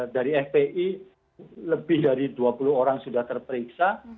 dari fpi lebih dari dua puluh orang sudah terperiksa